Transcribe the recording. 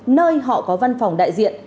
nơi họ có văn phòng đại diện